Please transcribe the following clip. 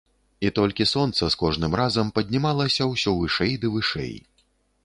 І толькі сонца з кожным разам паднімалася ўсё вышэй ды вышэй.